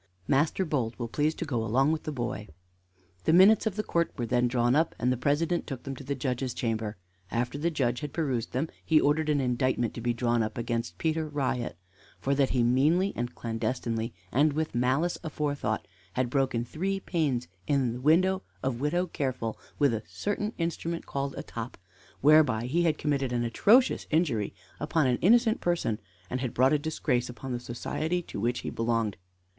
"Master Bold will please to go along with the boy." The minutes of the court were then drawn up, and the President took them to the Judge's chamber. After the Judge had perused them, he ordered an indictment to be drawn up against Peter Riot: "For that he meanly and clandestinely and with malice aforethought had broken three panes in the window of Widow Careful with a certain instrument called a top, whereby he had committed an atrocious injury upon an innocent person, and had brought a disgrace upon the society to which he belonged."